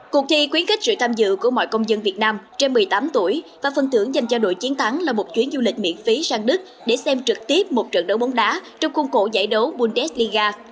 cuộc thi quyến kích sự tham dự của mọi công dân việt nam trên một mươi tám tuổi và phân thưởng dành cho đội chiến thắng là một chuyến du lịch miễn phí sang đức để xem trực tiếp một trận đấu bóng đá trong khuôn cổ giải đấu bundesliga